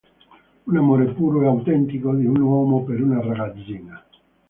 Un amore puro e autentico di un uomo per una ragazzina.